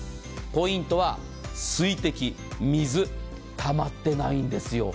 ポイントは水滴、水、たまってないんですよ。